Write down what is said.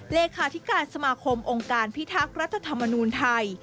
เลขาธิการสมาคมองค์การพิทักษ์รัฐธรรมนูลไทย